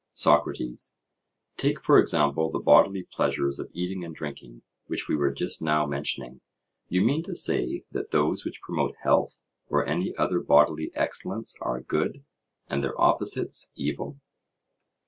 SOCRATES: Take, for example, the bodily pleasures of eating and drinking, which we were just now mentioning—you mean to say that those which promote health, or any other bodily excellence, are good, and their opposites evil?